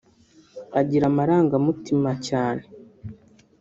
Agira amarangamutima cyane